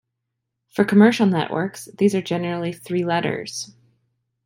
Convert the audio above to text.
For commercial networks, these are generally three letters.